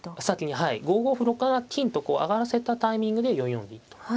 先にはい５五歩６七金とこう上がらせたタイミングで４四銀と。